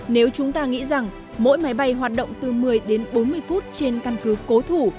nếu chúng ta nghĩ rằng mỗi máy bay hoạt động từ một mươi đến bốn mươi phút trên căn cứ cố thủ